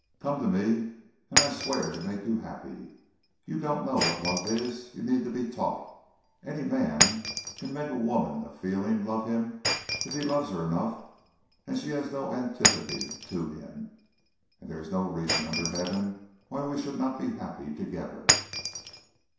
Come to me and I swear to make you happy. You don't know what love is. You need to be taught. Any man can make a woman of feeling love him if he loves her enough and she has no antipathy to him. And there is no reason under heaven why we should not be happy together."